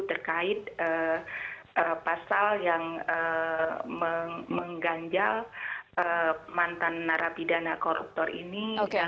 terkait pasal yang mengganjal mantan narapidana koruptor ini